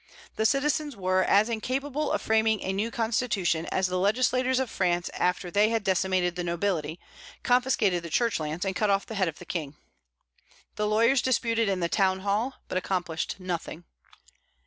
The citizens were as incapable of framing a new constitution as the legislators of France after they had decimated the nobility, confiscated the Church lands, and cut off the head of the king. The lawyers disputed in the town hall, but accomplished nothing.